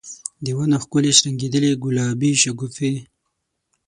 د ونو ښکلي شرنګیدلي ګلابې شګوفي